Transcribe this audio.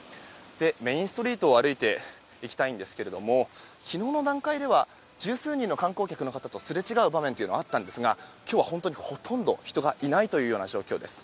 メインストリートを歩いていきたいんですけれども昨日の段階では十数人の観光客の方とすれ違う場面があったんですが今日は本当にほとんど人がいないという状況です。